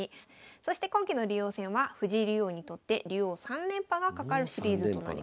そして今期の竜王戦は藤井竜王にとって竜王三連覇がかかるシリーズとなります。